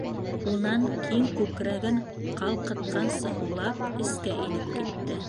Унан, киң күкрәген ҡалҡытҡансы һулап, эскә инеп китте.